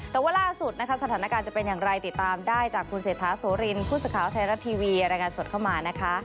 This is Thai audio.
แต่ว่าล่าสุดนะคะสถานการณ์จะเป็นอย่างไรติดตามได้จากคุณเศรษฐาโสรินผู้สื่อข่าวไทยรัฐทีวีรายงานสดเข้ามานะคะ